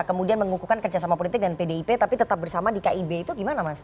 kemudian mengukuhkan kerjasama politik dengan pdip tapi tetap bersama di kib itu gimana mas